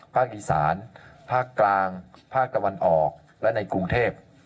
ภาคอีสานภาคกลางภาคตะวันออกและในกรุงเทพ